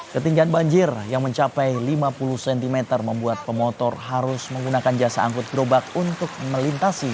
ketinggian banjir yang mencapai lima puluh cm membuat pemotor harus menggunakan jasa angkut gerobak untuk melintasi